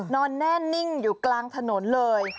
นอนแน่นิ่งอยู่กลางถนนเลย